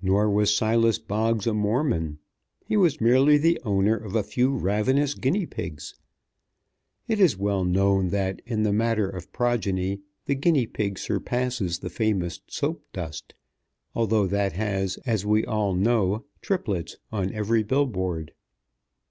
Nor was Silas Boggs a Mormon. He was merely the owner of a few ravenous guinea pigs. It is well known that in the matter of progeny the guinea pig surpasses the famous Soap Dust, although that has, as we all know, triplets on every bill board.